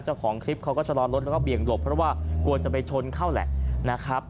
เจ้าของคลิปเขาก็ชะลอรถแล้วก็เบี่ยงหลบเพราะว่ากลัวจะไปชนเข้าแหละนะครับ